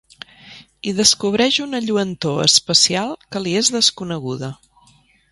Hi descobreix una lluentor especial que li és desconeguda.